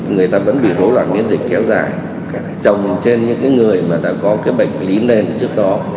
người ta vẫn bị hỗn loạn miễn dịch kéo dài trồng trên những người mà đã có cái bệnh lý nền trước đó